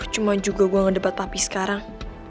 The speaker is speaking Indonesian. cuma juga gue ngedebat papi sekarang